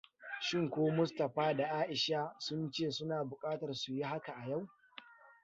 Shin ko Mustapha da Aisha sun ce suna bukatar su yi haka a yau?